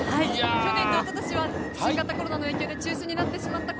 去年とおととしは新型コロナの影響で中止となってしまった